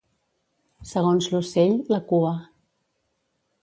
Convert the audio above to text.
Segons l'ocell, la cua.